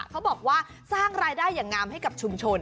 เขาบอกว่าสร้างรายได้อย่างงามให้กับชุมชน